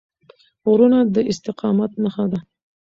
غرونه د استقامت نښه ده.